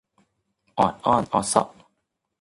ออดอ้อนออเซาะ